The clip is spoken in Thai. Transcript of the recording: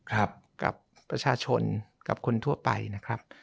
กับประชาชนกับคนทั่วไปนะครับ